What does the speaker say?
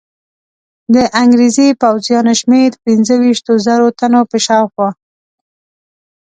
د انګرېزي پوځیانو شمېر پنځه ویشتو زرو تنو په شاوخوا.